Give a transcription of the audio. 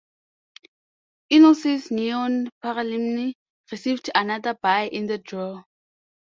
Enosis Neon Paralimni received another bye in the draw.